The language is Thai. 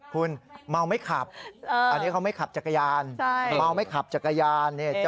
คุณเมาไม่ขับอันนี้เขาไม่ขับจักรยานเมาไม่ขับจักรยาน